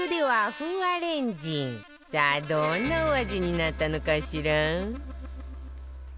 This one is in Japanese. さあどんなお味になったのかしら？